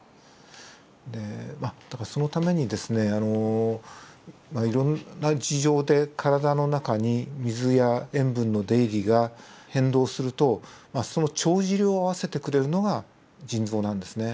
でまあだからそのためにですねまあいろんな事情で体の中に水や塩分の出入りが変動するとその帳尻を合わせてくれるのが腎臓なんですね。